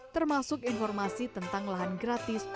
termasuk informasi tentang lahan gratis